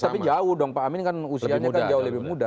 tapi jauh dong pak amin kan usianya kan jauh lebih muda